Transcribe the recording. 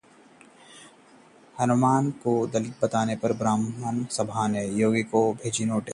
हनुमान को दलित बताने पर ब्राह्मण सभा ने योगी को भेजा नोटिस